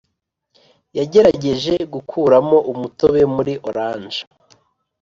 yagerageje gukuramo umutobe muri orange.